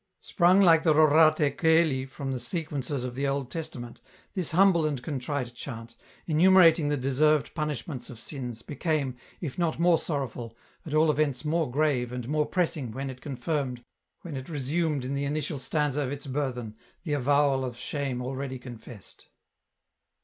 Sprung like the " Rorate Coeli " from the sequences of the Old Testament, this humble and contrite chant, enumerating the deserved punishments of sins, became, if not more sorrowful, at all events more grave and EN ROUTE. 279 more pressing when it confirmed, when it resumed in the initial stanza of its burthen, the avowal of shame already confessed.